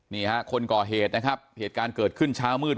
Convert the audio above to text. นี่ฮะคนก่อเหตุนะครับเหตุการณ์เกิดขึ้นเช้ามืด